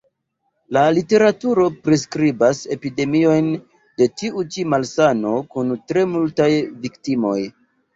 La literaturo priskribas epidemiojn de tiu ĉi malsano kun tre multaj viktimoj.